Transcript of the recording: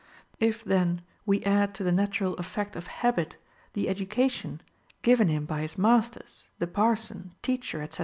If, then, we add to the natural effect of habit the education given him by his masters, the parson, teacher, etc.